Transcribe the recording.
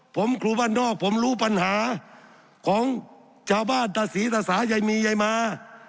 ผมครูบ้านนอกผมรู้ปัญหาของชาวบ้านตะศรีตาสายายมียายมา